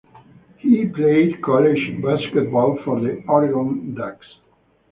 She played college basketball for the Oregon Ducks.